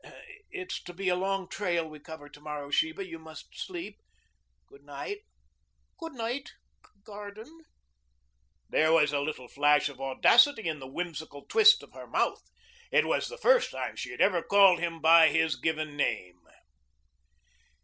"It's to be a long trail we cover to morrow, Sheba. You must sleep. Good night." "Good night Gordon." There was a little flash of audacity in the whimsical twist of her mouth. It was the first time she had ever called him by his given name.